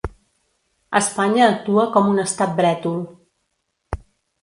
Espanya actua com un estat brètol.